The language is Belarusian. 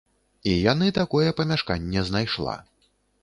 І яны такое памяшканне знайшла.